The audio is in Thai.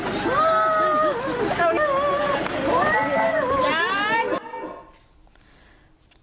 ดีละ